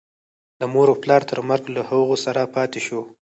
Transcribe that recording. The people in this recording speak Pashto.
د مور و پلار تر مرګه له هغو سره پاتې شو.